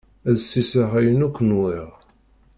Ad sisseɣ ayen akk nwiɣ.